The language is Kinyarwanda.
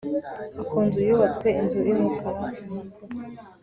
Ku nzu yubatswe inzu yumukaraimpapuro